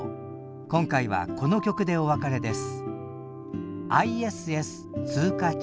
今回はこの曲でお別れです。